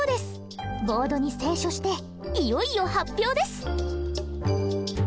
ボードに清書していよいよ発表です。